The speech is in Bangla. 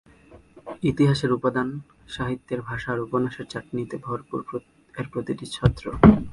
ইতিহাসের উপাদান, সাহিত্যের ভাষা আর উপন্যাসের চাটনিতে ভরপুর এর প্রতিটি ছত্র।